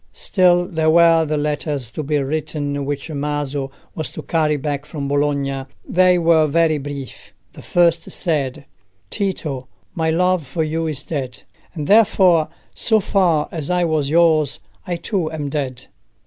Still there were the letters to be written which Maso was to carry back from Bologna. They were very brief. The first said— "Tito, my love for you is dead; and therefore, so far as I was yours, I too am dead.